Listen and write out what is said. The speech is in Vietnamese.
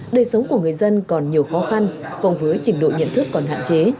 đời sống của người dân còn nhiều khó khăn cộng với trình độ nhận thức còn hạn chế